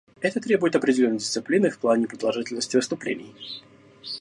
Это требует определенной дисциплины в плане продолжительности выступлений.